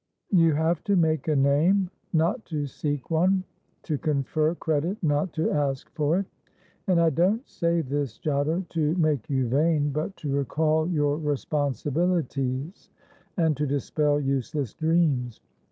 You have to make a name, not to seek one; to confer credit, not to ask for it. And I don't say this, Giotto, to make you vain, but to recall your responsibilities, and to dispel useless dreams.